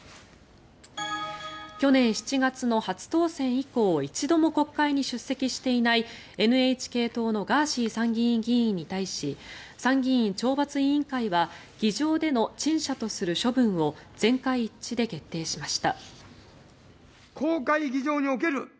去年７月の初当選以降一度も国会に出席していないＮＨＫ党のガーシー参議院議員に対し参議院懲罰委員会は議場での陳謝とする処分を全会一致で決定しました。